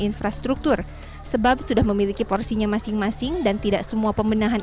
infrastruktur sebab sudah memiliki porsinya masing masing dan tidak semua pembenahan